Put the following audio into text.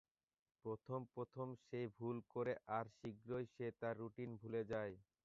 প্রথম প্রথম সে ভুল করে আর শীঘ্রই সে তার রুটিন ভুলে যায়।